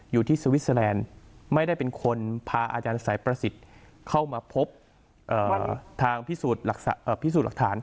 สวิสเตอร์แลนด์ไม่ได้เป็นคนพาอาจารย์สายประสิทธิ์เข้ามาพบทางพิสูจน์หลักฐาน